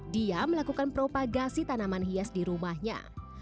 dia melakukan propagasi tanaman hias di rumahnya